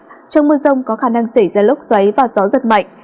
trong mưa rông có khả năng xảy ra lốc xoáy và gió giật mạnh